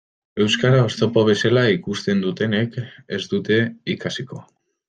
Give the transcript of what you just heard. Euskara oztopo bezala ikusten dutenek ez dute ikasiko.